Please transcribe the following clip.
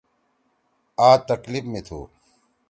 آ تکلیف می تُھو۔